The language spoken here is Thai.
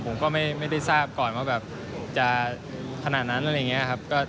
ผมก็ไม่ได้ทราบก่อนว่าแบบจะขนาดนั้นอะไรอย่างนี้ครับ